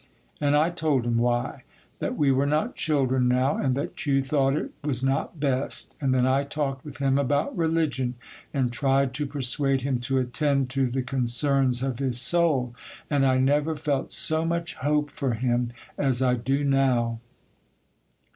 And I told him why,—that we were not children now, and that you thought it was not best; and then I talked with him about religion, and tried to persuade him to attend to the concerns of his soul; and I never felt so much hope for him as I do now.